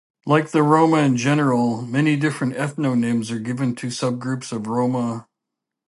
Like the Roma in general, many different ethnonyms are given to subgroups of Roma.